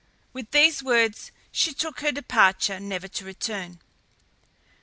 With these words she took her departure never to return.